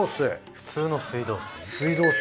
普通の水道水？